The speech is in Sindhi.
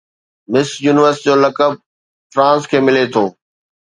مس يونيورس جو لقب فرانس کي ملي ٿو